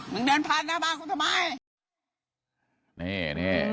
มันเดินผ่านหน้าบ้านเขาทำไม